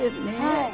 はい。